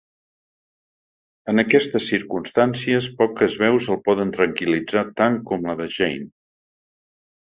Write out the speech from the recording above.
En aquestes circumstàncies poques veus el poden tranquil·litzar tant com la de la Jane.